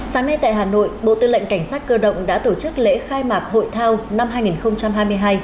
sáng nay tại hà nội bộ tư lệnh cảnh sát cơ động đã tổ chức lễ khai mạc hội thao năm hai nghìn hai mươi hai